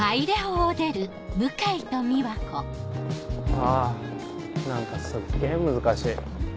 あ何かすっげぇ難しい。